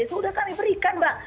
sudah kami berikan mbak